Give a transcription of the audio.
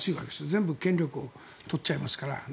全部権力を持っちゃいますから。